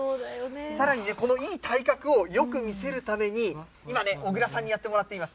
さらにね、このいい体格をよく見せるために、今ね、小倉さんにやってもらっています。